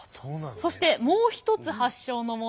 そしてもう一つ発祥のものが。